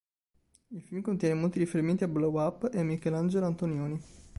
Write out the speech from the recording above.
Il film contiene molti riferimenti a Blow-Up e a Michelangelo Antonioni